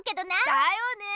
だよね！